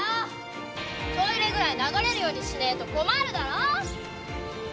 トイレぐらい流れるようにしねえと困るだろ。